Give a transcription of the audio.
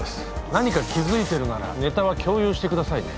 何か気づいてるならネタは共有してくださいね